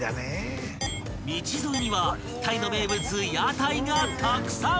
［道沿いにはタイの名物屋台がたくさん］